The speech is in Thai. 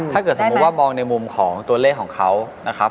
ถ้าเกิดสมมุติว่ามองในมุมของตัวเลขของเขานะครับ